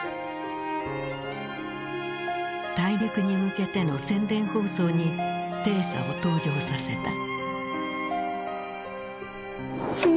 大陸に向けての宣伝放送にテレサを登場させた。